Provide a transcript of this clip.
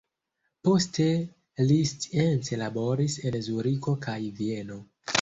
Poste li science laboris en Zuriko kaj Vieno.